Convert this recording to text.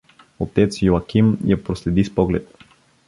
Отец Йоаким я проследи с поглед.